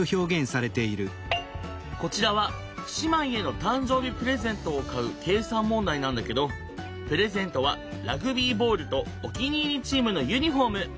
こちらは姉妹への誕生日プレゼントを買う計算問題なんだけどプレゼントはラグビーボールとお気に入りチームのユニフォーム。